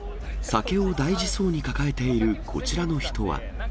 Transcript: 酒を大事そうに抱えているこちらの人は。